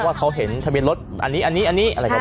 ว่าเขาเห็นทะเบียนรถอันนี้อะไรนี้เพิ่งบ้าน